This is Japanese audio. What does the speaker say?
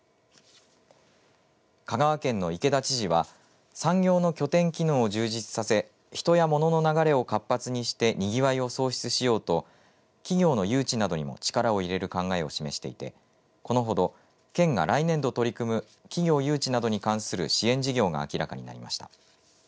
香川県の池田知事は産業の拠点機能を充実させ人やモノの流れを活発にしてにぎわいを創出しようと企業の誘致などにも力を入れる考えを示していてこのほど県が来年度取り組む企業誘致等に関する支援事業が明らかになりました。